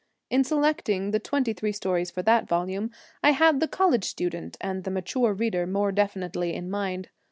In selecting the twenty three stories for that volume, I had the college student and the mature reader more definitely in mind.